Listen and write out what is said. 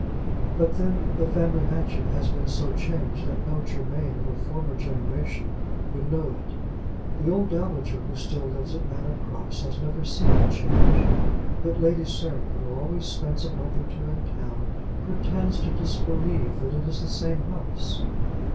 But then the family mansion has been so changed that no Germain of a former generation would know it. The old Dowager who still lives at Manor Cross has never seen the change, but Lady Sarah, who always spends a month or two in town, pretends to disbelieve that it is the same house.